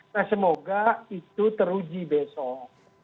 nah semoga itu teruji besok